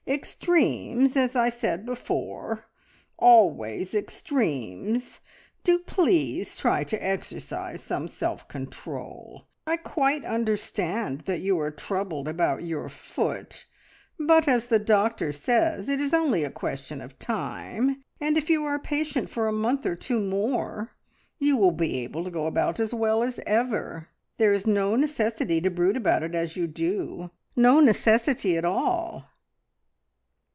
Extremes, as I said before, always extremes! Do please try to exercise some self control. I quite understand that you are troubled about your foot, but as the doctor says it is only a question of time, and if you are patient for a month or two more, you will be able to go about as well as ever. There is no necessity to brood about it as you do, no necessity at all!"